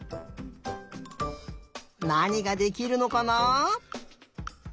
なにができるのかなあ？